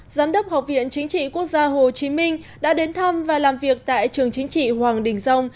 giám đốc học viện chính trị quốc gia hồ chí minh đã đến thăm và làm việc tại trường chính trị hoàng đình dông